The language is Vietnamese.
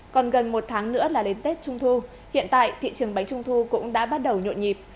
còn gần một tháng nữa là đến tết trung thu hiện tại thị trường bánh trung thu cũng đã bắt đầu nhộn nhịp